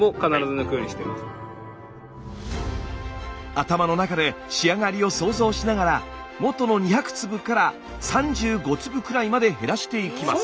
頭の中で仕上がりを想像しながら元の２００粒から３５粒くらいまで減らしていきます。